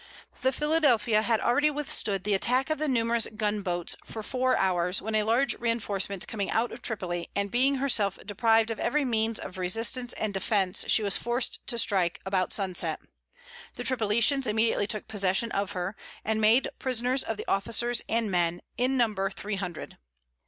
The Philadelphia had already withstood the attack of the numerous gun boats for four hours, when a large reinforcement coming out of Tripoli, and being herself deprived of every means of resistance and defence she was forced to strike, about sunset. The Tripolitans immediately took possession of her, and made prisoners of the officers and men, in number, three hundred.